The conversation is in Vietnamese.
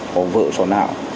có vợ sổ nạo